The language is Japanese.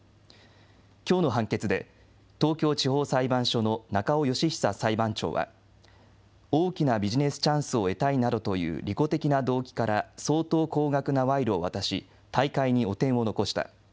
きょうの判決で、東京地方裁判所の中尾佳久裁判長は、大きなビジネスチャンスを得たいなどという利己的な動機から相当高額な賄賂を渡し、大会に汚点を残した。